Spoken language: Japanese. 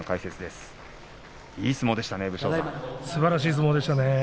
すばらしい相撲でしたね。